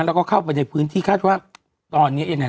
แล้วก็เข้าไปในพื้นที่คาดว่าตอนนี้ยังไง